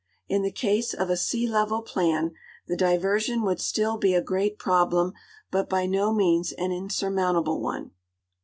In the case of a sea level plan the di version would still be a great problem, but by no means an insur mountable one.